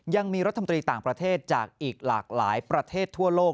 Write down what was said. ยังมีรัฐมนตรีต่างประเทศจากอีกหลากหลายประเทศทั่วโลก